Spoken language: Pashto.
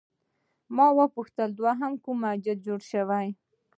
ما وپوښتل دوهم کوم مسجد جوړ شوی؟